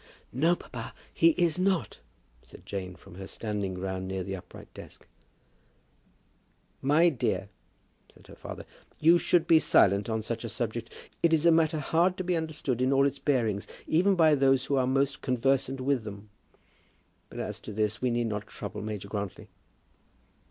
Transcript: "No, papa; he is not," said Jane, from her standing ground near the upright desk. "My dear," said her father, "you should be silent on such a subject. It is a matter hard to be understood in all its bearings, even by those who are most conversant with them. But as to this we need not trouble Major Grantly."